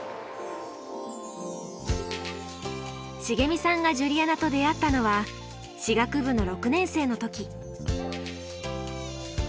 しげみさんがジュリアナと出会ったのは歯学部の６年生の時。